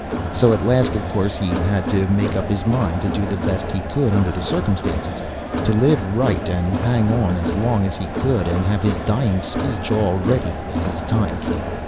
So at last, of course, he had to make up his mind to do the best he could under the circumstances to live right, and hang on as long as he could, and have his dying speech all ready when his time came.